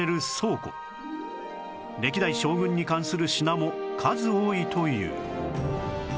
歴代将軍に関する品も数多いという